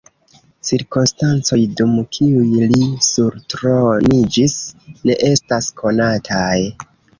Cirkonstancoj, dum kiuj li surtroniĝis, ne estas konataj.